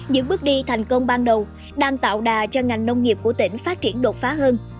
những bước đi thành công ban đầu đang tạo đà cho ngành nông nghiệp của tỉnh phát triển đột phá hơn